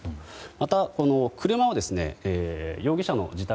また、車を容疑者の自宅